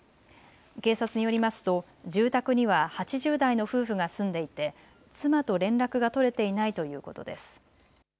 警察によりますと住宅には８０代の夫婦が住んでいて妻と連絡が取れていないということです。